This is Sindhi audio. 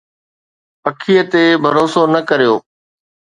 پکيءَ تي ڀروسو نه ڪريو